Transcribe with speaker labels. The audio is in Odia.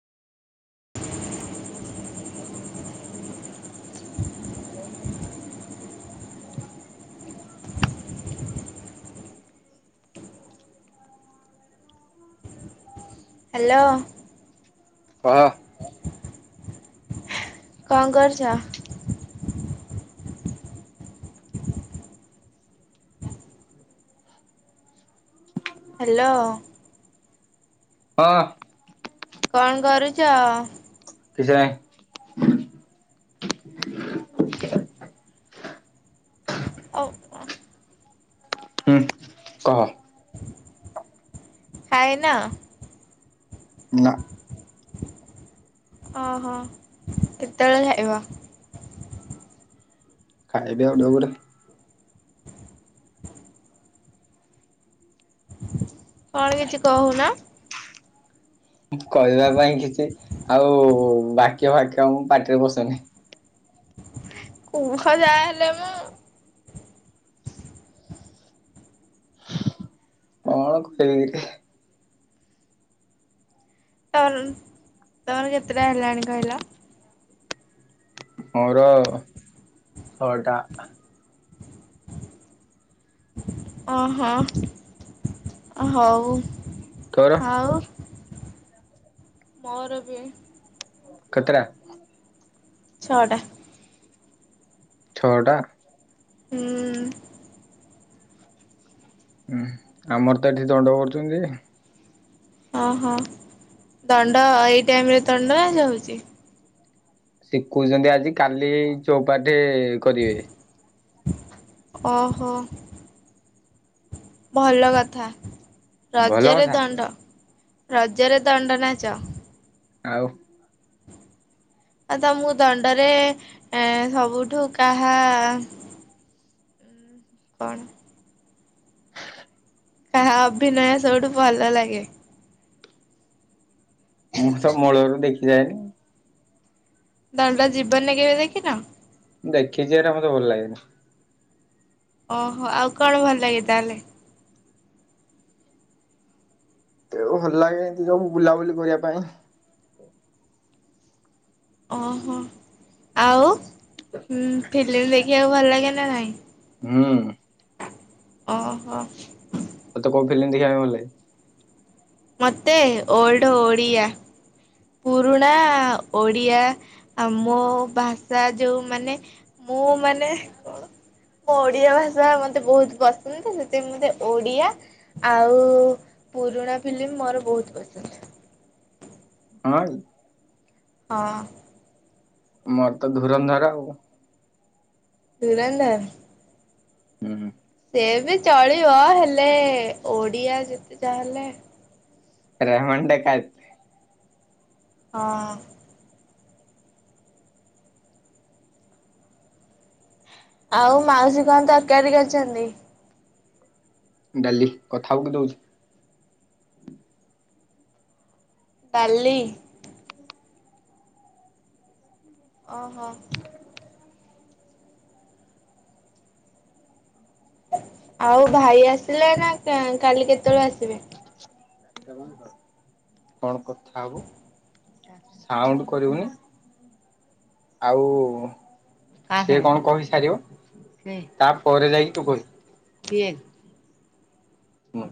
Speaker 1: [inaudible]
Speaker 2: [unintelligible]
Speaker 1: ହ୍ୟାଲୋ।
Speaker 2: କହ।
Speaker 1: କଣ କରୁଛ? ହ୍ୟାଲୋ।
Speaker 2: ହଁ।
Speaker 1: କଣ କରୁଛ?
Speaker 2: କିଛି ନାହିଁ।
Speaker 1: ହଉ।
Speaker 2: ହୁଁ କହ
Speaker 1: ଖାଇନ। ଓହୋ କେତେବେଳେ ଖାଇବ?
Speaker 2: ଖାଇବି ଆଉ ଟିକେ ପରେ।
Speaker 1: କଣ କିଛି କହୁନ?
Speaker 2: କହିବା ପାଇଁ କିଛି ଆଉ ବାକ୍ୟ ବାକ୍ୟ ମୁଁ ପାଟିରେ ପସୁନି।
Speaker 1: କୁହ ଯାହା ହେଲେ ମୁଁ
Speaker 2: କଣ କହିବି?
Speaker 1: ତର ତୋର କେତେଟା ହେଲାଣି କହିଲା।
Speaker 2: ମୋର ଛଅଟା।
Speaker 1: ଅହୋ ହଉ।
Speaker 2: ତୋର
Speaker 1: ହଉ। ମୋର ବି
Speaker 2: କେତେ ଟା?
Speaker 1: ଛଅଟା।
Speaker 2: ଛଅଟା।
Speaker 1: ହୁଁ।
Speaker 2: ହୁଁ ଆମର ତ ଏଠି ଦଣ୍ଡ କରୁଛନ୍ତି।
Speaker 1: ଓହୋ ଦଣ୍ଡ ଏଇ ଟାଇମ ରେ ଦଣ୍ଡ ନାଚ ହୋଉଛି।
Speaker 2: ଶିକୋଉଚନ୍ତି ଆଜି କାଲି ଚଉପାଠେ କରିବେ।
Speaker 1: ଓହୋ। ଭଲ କଥା।
Speaker 2: ଭଲ
Speaker 1: ରଜରେ
Speaker 2: କଥା
Speaker 1: ଦଣ୍ଡ। ରଜରେ ଦଣ୍ଡନାଚ।
Speaker 2: ଆଉ।
Speaker 1: ଆଉ ତ ମୁଁ ଦଣ୍ଡରେ ଏ ସବୁଠୁ କାହା କଣ? କାହା ଅଭିନୟ ସବୁଠୁ ଭଲ ଲାଗେ?
Speaker 2: ମୁଁ ତ ମୂଳରୁ ଦେଖିଯାଏନି।
Speaker 1: ଦଣ୍ଡ ଜୀବନରେ କେବେ ଦେଖିନ?
Speaker 2: ଦେଖିଛି ଏଇଟା ମତେ ଭଲ ଲାଗେନି।
Speaker 1: ଓହୋ ଆଉ କଣ ଭଲ ଲାଗେ ତାହେଲେ?
Speaker 2: ତେଣୁ ଭଲ ଲାଗେ ଏମିତି ସବୁ ବୁଲାବୁଲି କରିବା ପାଇଁ।
Speaker 1: ଓହୋ ଆଉ। ହୁଁ ଫିଲ୍ମ ଦେଖିବାକୁ ଭଲ ଲାଗେନି? ନା ନାଇଁ?
Speaker 2: ହୁଁ।
Speaker 1: ଓହୋ।
Speaker 2: ତତେ କୋଉ ଫିଲ୍ମ ଦେଖିବା ପାଇଁ ଭଲ‌ ଲାଗେ?
Speaker 1: ମୋତେ ଓଲ୍ଡ୍ ଓଡ଼ିଆ। ପୁରୁଣା ଓଡ଼ିଆ ଆ ମୋ ଭାଷା ଯୋଉମାନେ ମୁଁ ମାନେ ଓଡ଼ିଆ ଭାଷା ମୋତେ ବହୁତ ପସନ୍ଦ ସେଥିପାଇଁ ମତେ ଓଡ଼ିଆ ଆଉ ପୁରୁଣା ଫିଲ୍ମ ମୋର ବହୁତ ପସନ୍ଦ।
Speaker 2: ହଁ।
Speaker 1: ହଁ।
Speaker 2: ମୋର ତ ଧୂରନ୍ଧର ଆଉ।
Speaker 1: ଧୂରନ୍ଧର।
Speaker 2: ହୁଁ ହୁଁ।
Speaker 1: ସେ ବି ଚଳିବ ହେଲେ ଓଡିଆ ଯେତେ ଯାହା ହେଲେ।
Speaker 2: [unintelligible]
Speaker 1: ହଁ। ଆଉ ମାଉସୀ କଣ ତରକାରୀ କରିଚନ୍ତି?
Speaker 2: ଡାଲି କଥା ହବୁ କି ଦଉଛି।
Speaker 1: ଡାଲି। ଓହୋ। ଆଉ ଭାଇ ଆସିଲେ ନା କାଲି କେତେବେଳେ ଆସିବେ?
Speaker 2: କଣ କଥା ହବୁଉଣ୍ଡ କରିବୁନି ଆଉ ସେ କଣ କହି ସାରିବ ତାପରେ ଯାଇକି ତୁ କହିବୁ? ହୁଁ